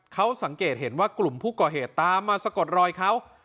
เขาสังเกตเห็นว่ากลุ่มผู้ก่อเหตุตามมาสะกดรอยเขา